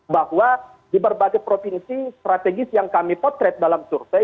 bahwa di berbagai provinsi strategis yang kami potret dalam survei